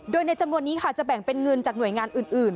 โดยในจำนวนนี้ค่ะจะแบ่งเป็นเงินจากหน่วยงานอื่น